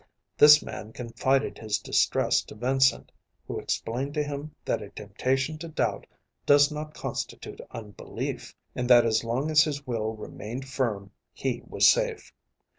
This man confided his distress to Vincent, who explained to him that a temptation to doubt does not constitute unbelief, and that as long as his will remained firm he was safe.